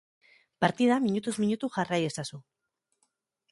Partida, minutuz minutu jarrai ezazu.